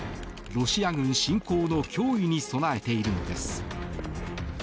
ロシア軍侵攻の脅威に備えているのです。